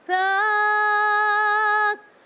รัก